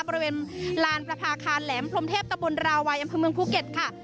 บริเวณลานประพาคารแหลมพรมเทพตะบนราวัยอำเภอเมืองภูเก็ตค่ะ